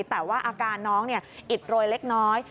แต่ว่าอาการน้องอิดโรยเล็กน้อย